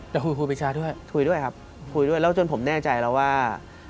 คุยครูปีชาด้วยคุยด้วยครับคุยด้วยแล้วจนผมแน่ใจแล้วว่า